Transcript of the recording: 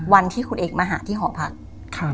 วันที่คุณเอกมาหาที่หอพัก